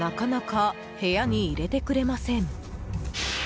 なかなか部屋に入れてくれません。